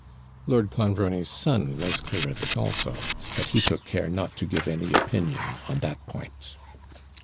Lord Clonbrony's son was clear of it also; but he took care not to give any opinion on that point.